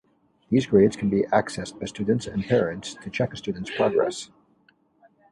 These grades can be accessed by students and parents to check a student's progress.